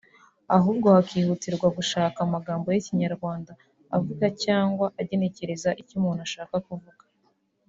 ahubwo hakihutirwa gushaka amagambo y’Ikinyarwanda avuga cyangwa agenekereza icyo umuntu ashaka kuvuga